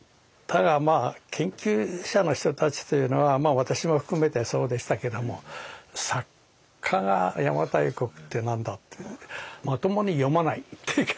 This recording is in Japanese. ただまあ研究者の人たちというのは私も含めてそうでしたけども作家が邪馬台国って何だっていうのでまともに読まない。